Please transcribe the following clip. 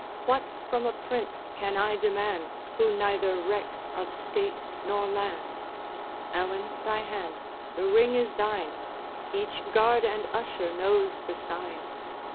What from a prince can I demand, Who neither reck of state nor land? Ellen, thy hand the ring is thine; Each guard and usher knows the sign.